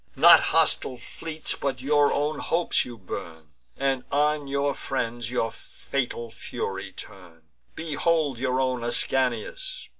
Not hostile fleets, but your own hopes, you burn, And on your friends your fatal fury turn. Behold your own Ascanius!"